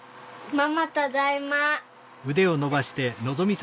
ママただいま。